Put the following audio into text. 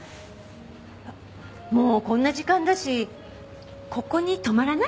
もうこんな時間だしここに泊まらない？